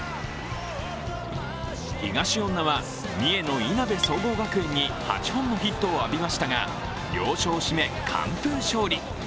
東恩納は三重のいなべ総合学園に８本のヒットを浴びましたが、要所を締め、完封勝利。